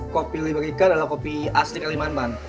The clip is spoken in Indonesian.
kopi liberica adalah kopi asli kalimantan